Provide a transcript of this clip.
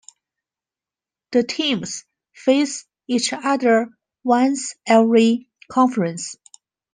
The teams face each other once every conference.